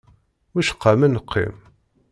Wicqa ma neqqim?